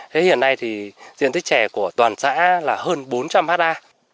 thế hiện nay thì diện tích trè của toàn xã là hơn bốn trăm linh ha